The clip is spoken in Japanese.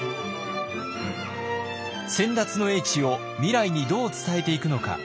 先達の英知を未来にどう伝えていくのか。